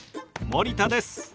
森田です！